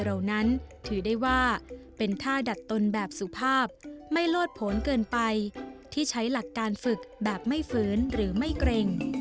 เหล่านั้นถือได้ว่าเป็นท่าดัดตนแบบสุภาพไม่โลดผลเกินไปที่ใช้หลักการฝึกแบบไม่ฝืนหรือไม่เกร็ง